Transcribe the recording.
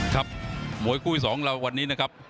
ครับมวยกุ้ย๒เราวันนี้นะครับ